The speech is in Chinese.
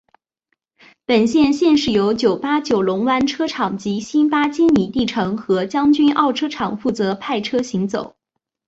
本线现时由九巴九龙湾车厂及新巴坚尼地城和将军澳车厂负责派车行走。